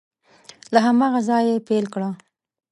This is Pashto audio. له هماغه ځایه یې پیل کړه